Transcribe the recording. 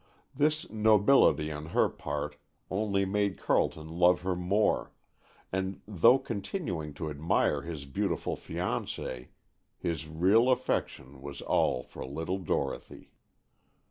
This nobility on her part only made Carleton love her more, and though continuing to admire his beautiful fiancée, his real affection was all for little Dorothy.